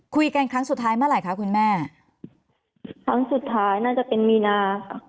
ครั้งสุดท้ายเมื่อไหร่คะคุณแม่ครั้งสุดท้ายน่าจะเป็นมีนาค่ะ